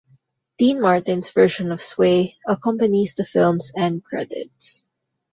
Dean Martin's version of "Sway" accompanies the film's end credits.